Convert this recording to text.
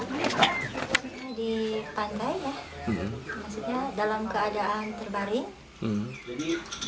kita di pantai ya dalam keadaan terbaring